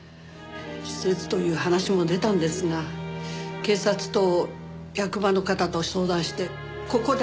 施設という話も出たんですが警察と役場の方と相談してここで預かる事にしたんです。